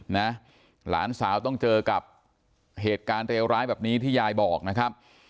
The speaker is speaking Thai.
หลานสาวต้องเจอกับเหตุการณ์เลวร้ายแบบนี้ที่ยายบอกนะครับ